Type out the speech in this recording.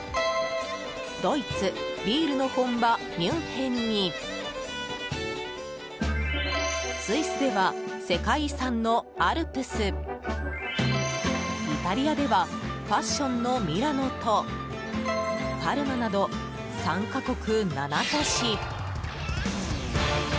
ドイツビールの本場ミュンヘンにスイスでは、世界遺産のアルプスイタリアではファッションのミラノとパルマなど、３か国７都市。